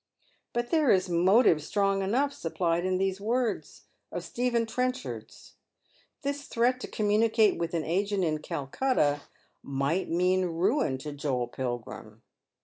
But there is motive strong enough supplied in these words of Stephen Trenchard'a. This threat to communicate with an agent in Calcutta might mean ruin to Joel Pilgrim.